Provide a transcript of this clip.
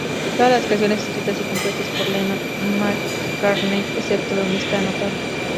Todas las canciones escritas y compuestas por Lennon—McCartney, excepto donde está anotado.